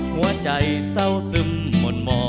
หัวใจเศร้าซึมหมดหมอ